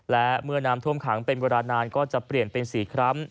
และเมื่อน้ำท่วมขังเป็นเวลานานก็จะเปลี่ยนเป็น๔ครั้ง